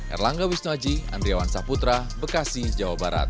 erlangga wisnuaji andriawan saputra bekasi jawa barat